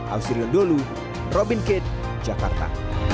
ausriun dulu robin kitt jakarta